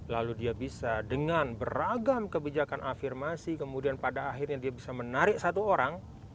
lalu dia bisa dengan beragam kebijakan afirmasi kemudian pada akhirnya dia bisa menarik satu orang